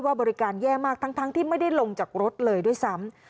บริการแย่มากทั้งที่ไม่ได้ลงจากรถเลยด้วยซ้ำ